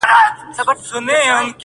له خپلي تجربي او خپل درک څخه کتلي دي